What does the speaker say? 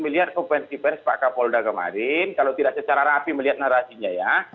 melihat konferensi pers pak kapolda kemarin kalau tidak secara rapi melihat narasinya ya